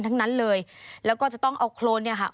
สวัสดีค่ะสวัสดีค่ะ